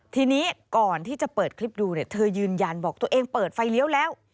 ทีนี้ก่อนที่จะเปิดคลิปดูเนี่ยเธอยืนยันบอกตัวเองเปิดไฟเลี้ยวแล้ว